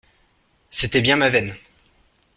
C’était bien ma veine!